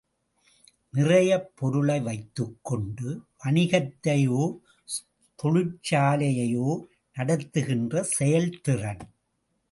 நிறையப் பொருளை வைத்துக் கொண்டு வணிகத்தையோ தொழிற்சாலையையோ நடத்துகின்ற செயல்திறன்.